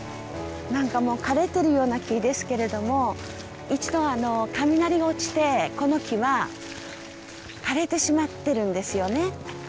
何かもう枯れてるような木ですけれども一度雷が落ちてこの木は枯れてしまってるんですよね。